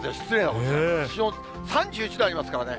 気温３１度ありますからね。